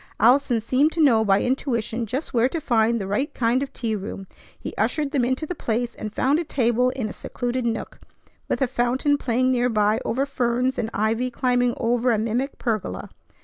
Allison seemed to know by intuition just where to find the right kind of tea room. He ushered them into the place, and found a table in a secluded nook, with a fountain playing nearby over ferns, and ivy climbing over a mimic pergola.